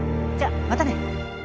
じゃまたね。